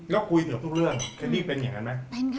แล้วคุยเกือบทุกเรื่องแคนดี้เป็นอย่างนั้นไหม